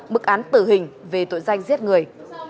bức án tử hình về tội danh giết người